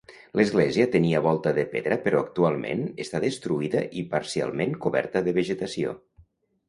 L'església tenia volta de pedra però actualment està destruïda i parcialment coberta de vegetació.